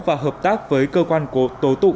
và hợp tác với cơ quan tổ tụ